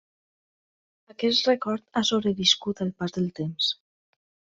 Aquest record ha sobreviscut al pas del temps.